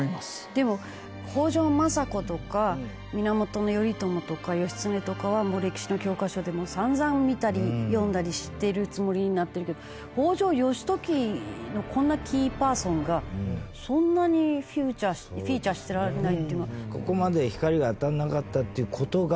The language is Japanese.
でも北条政子とか源頼朝とか義経とかは歴史の教科書でもう散々見たり読んだりしてるつもりになってるけど北条義時こんなキーパーソンがそんなにフィーチャーされないっていうのは。